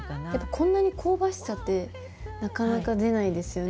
こんなに香ばしさってなかなか出ないですよね。